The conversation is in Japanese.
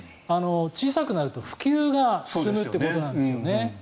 小さくなると普及が進むということですね。